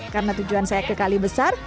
karena tujuan saya ke kali besar